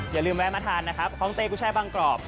อย่าลืมแวะมาทานนะครับของเต้กุชัยบางกรอบ